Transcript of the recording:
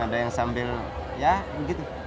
ada yang sambil ya begitu